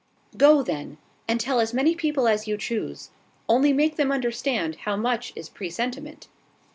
"Go, then; and tell as many people as you choose: only make them understand how much is presentiment."